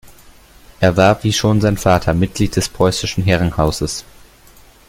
Er war wie schon sein Vater Mitglied des Preußischen Herrenhauses.